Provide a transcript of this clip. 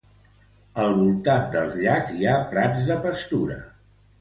Al voltant dels llacs hi ha prats de pastura.